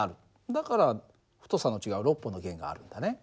だから太さの違う６本の弦があるんだね。